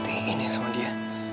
demakin gini sama dia